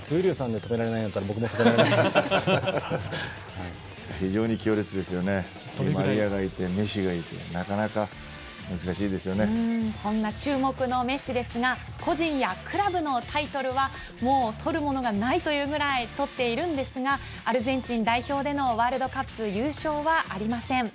ディマリアがいてメッシがいてそんな注目のメッシですが個人やクラブのタイトルはもう取るものがないというぐらい取っているんですがアルゼンチン代表でのワールドカップ優勝はありません。